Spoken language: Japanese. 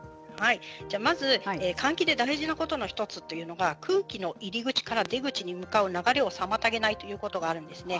まず換気で大事なことの１つというのが空気の入り口から出口に向かう流れを妨げないということがあるんですね。